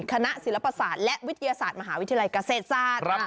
คณะศิลปศาสตร์และวิทยาศาสตร์มหาวิทยาลัยเกษตรศาสตร์